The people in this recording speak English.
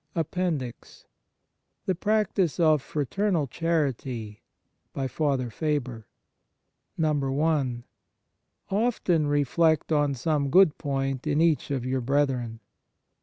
82 APPENDIX THE PRACTICE OF FRATERNAL CHARITY (FATHER FABER) i. OFTEN reflect on some good point in each of your brethren.